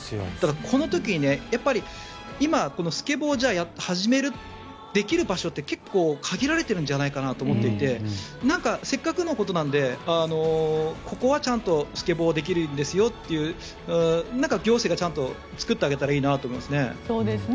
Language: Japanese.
この時に今、スケボーを始めるできる場所って結構限られるんじゃないかなと思っていてせっかくのことなのでここはちゃんとスケボーができるんですよってところを行政がちゃんと作ってあげたらいいなと思いますね。